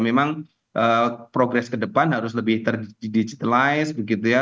memang progres ke depan harus lebih terdigitalize begitu ya